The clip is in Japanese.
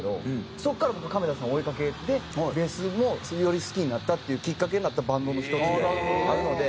そこから僕亀田さん追い掛けてベースもより好きになったっていうきっかけになったバンドの一つであるので。